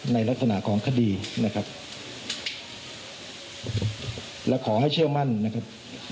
ในลักษณะของคดีนะครับและขอให้เชื่อมั่นนะครับ